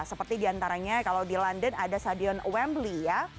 seperti di antaranya kalau di london ada sadion wembley ya